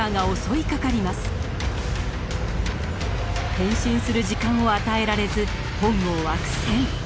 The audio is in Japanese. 変身する時間を与えられず本郷は苦戦。